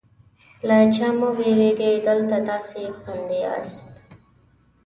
له چا مه وېرېږئ، دلته تاسې خوندي یاست.